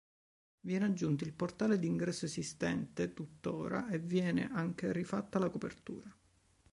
Viene aggiunto il portale d'ingresso esistente tuttora e viene anche rifatta la copertura.